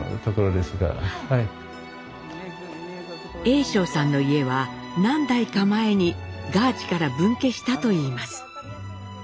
栄章さんの家は何代か前にガーチから分家したといいます。